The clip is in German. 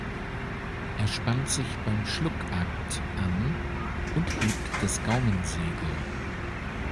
Er spannt sich beim Schluckakt an und hebt das Gaumensegel.